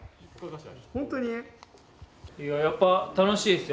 やっぱ楽しいですよ